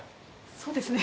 そうですね。